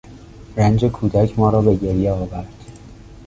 رنج کودک ما را به گریه آورد.